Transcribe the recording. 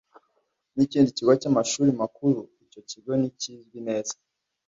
Ni ikindi kigo cy’amashuri makuru icyo kigo ntikizwi neza